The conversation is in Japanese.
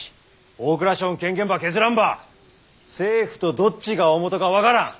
大蔵省の権限ば削らんば政府とどっちが大本か分からん。